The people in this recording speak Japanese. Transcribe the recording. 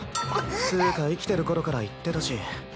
つぅか生きてる頃から言ってたし。